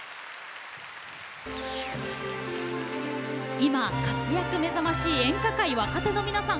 今、活躍目覚ましい演歌界の若手の皆さん。